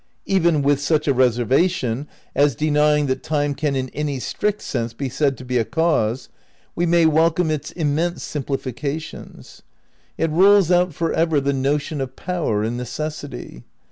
Even with such a reservation as denying that Time can in any strict sense be said to be a cause, we may wel come its immense simplifications. It rules out for ever "the notion of power and necessity."